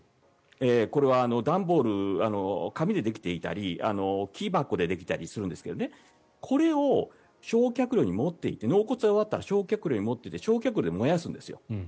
これは段ボール紙でできていたり木箱でできていたりするんですがこれを焼却炉に持っていって納骨が終わったら焼却炉に持っていって焼却炉で燃やすんですよ。